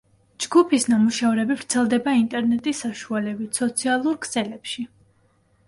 ჯგუფის ნამუშევრები ვრცელდება ინტერნეტის საშუალებით, სოციალურ ქსელებში.